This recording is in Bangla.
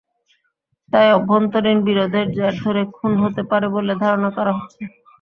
তাই অভ্যন্তরীণ বিরোধের জের ধরে খুন হতে পারে বলে ধারণা করা হচ্ছে।